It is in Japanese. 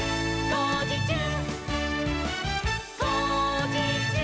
「こうじちゅう！！」